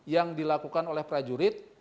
yang dilakukan oleh prajurit